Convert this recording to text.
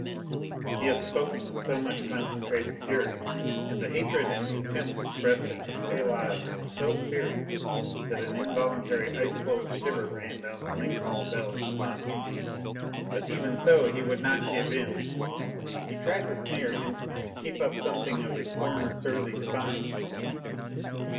He had spoken with so much concentrated fury, and the hatred and contempt expressed in his pale eyes were so fierce that an involuntary ice cold shiver ran down the length of Lebel's spine. But, even so, he would not give in; he tried to sneer and to keep up something of his former surly defiance.